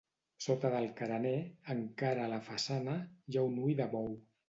Sota del carener, encara a la façana, hi ha un ull de bou.